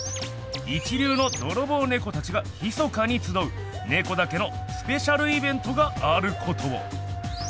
一流のドロボウネコたちがひそかにつどうネコだけのスペシャルイベントがあることを！